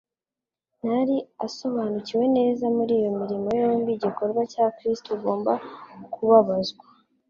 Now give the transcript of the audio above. Ntiyari asobanukiwe neza muri iyo mirimo yombi igikorwa cya Kristo ugomba kubabazwa